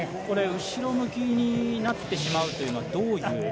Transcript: これ、後ろ向きになってしまうというのはどういう？